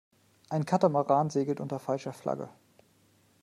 Ein Katamaran segelt unter falscher Flagge.